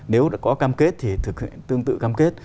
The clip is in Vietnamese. nếu đã có cam kết thì thực hiện tương tự cam kết